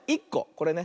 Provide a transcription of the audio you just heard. これね。